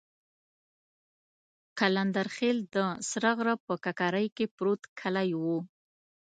قلندرخېل د سره غره په ککرۍ کې پروت کلی وو.